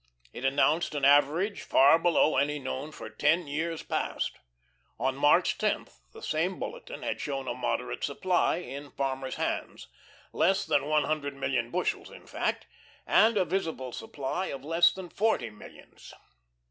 It announced an average far below any known for ten years past. On March tenth the same bulletin had shown a moderate supply in farmers' hands, less than one hundred million bushels in fact, and a visible supply of less than forty millions.